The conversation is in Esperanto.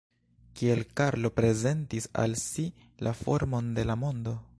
Kiel Karlo prezentis al si la formon de la mondo?